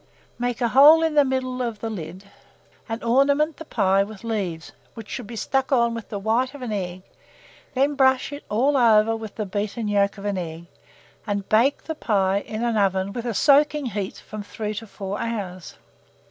Make a hole in the middle of the lid, and ornament the pie with leaves, which should be stuck on with the white of an egg; then brush it all over with the beaten yolk of an egg, and bake the pie in an oven with a soaking heat from 3 to 4 hours.